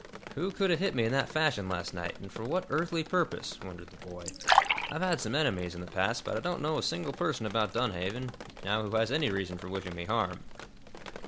"Who could have hit me in that fashion, last night, and for what earthly purpose?" wondered the boy. "I've had some enemies, in the past, but I don't know a single person about Dunhaven, now who has any reason for wishing me harm."